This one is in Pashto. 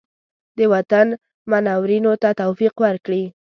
د وطن منورینو ته توفیق ورکړي.